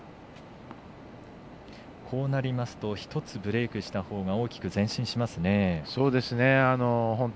こうなりますと１つブレークしたほうが大きく前進しますね。